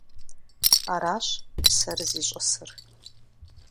Аращ псэр зищӏысыр.